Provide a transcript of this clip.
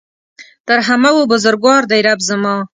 تر همه ؤ بزرګوار دی رب زما